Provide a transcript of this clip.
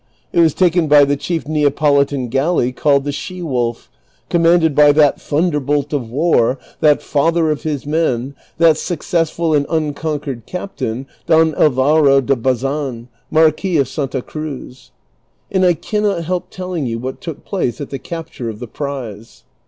It was taken by the chief Neapolitan galley called the She wolf, com manded by that thunderbolt of war, that father of his men, that suc cessful and unconquered captain Don Alvaro de Bazan, Marquis of Santa Cruz ; and I cannot help telling you what look place at the capture of the Prize.